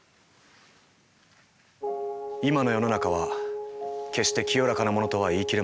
今の世の中は決して清らかなものとは言い切れません。